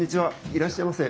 いらっしゃいませ。